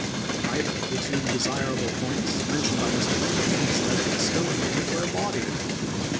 Neither of the two desirable points mentioned by Mr. Lincoln in his letter to Schofield were em bodied in it.